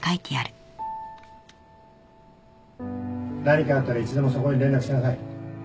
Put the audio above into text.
・何かあったらいつでもそこに連絡しなさい